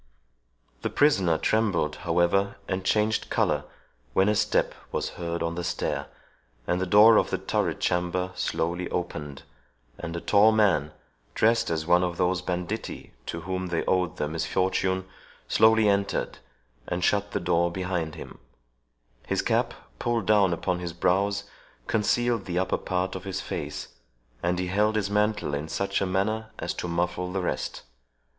The prisoner trembled, however, and changed colour, when a step was heard on the stair, and the door of the turret chamber slowly opened, and a tall man, dressed as one of those banditti to whom they owed their misfortune, slowly entered, and shut the door behind him; his cap, pulled down upon his brows, concealed the upper part of his face, and he held his mantle in such a manner as to muffle the rest.